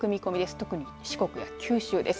特に四国や九州です。